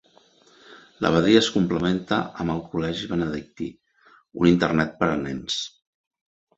L'abadia es complementa amb el Col·legi Benedictí, un internat per a nens.